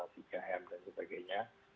vkm dan sebagainya